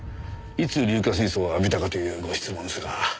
いつ硫化水素を浴びたかというご質問ですが。